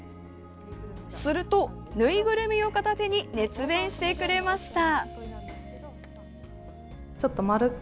すると、ぬいぐるみを片手に熱弁してくれました。